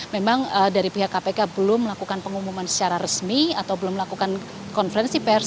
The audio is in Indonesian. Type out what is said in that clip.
memang dari pihak kpk belum melakukan pengumuman secara resmi atau belum melakukan konferensi pers